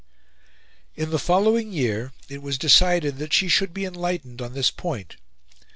In the following year it was decided that she should be enlightened on this point.